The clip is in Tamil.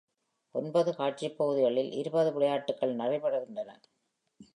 ஒன்பது காட்சிப் பகுதிகளில் இருபது விளையாட்டுகள் நடைபெறுகின்றன.